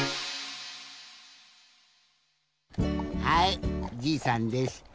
はいじいさんです。